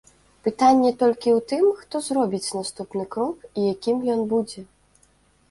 Пытанне толькі ў тым, хто зробіць наступны крок і якім ён будзе.